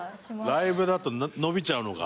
ライブだと伸びちゃうのか。